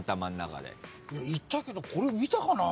行ったけどこれ見たかな？